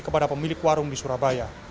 kepada pemilik warung di surabaya